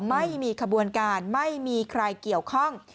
ไม่มีขบวนการไม่มีใครเกี่ยวข้อง